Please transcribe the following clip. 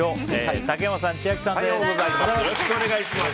竹山さん、千秋さんです。